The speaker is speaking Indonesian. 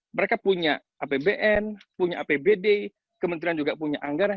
mereka punya apbn punya apbd kementerian juga punya anggaran